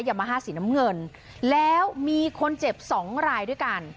ยามาฮ่าสีน้ำเงินแล้วมีคนเจ็บสองรายด้วยกัน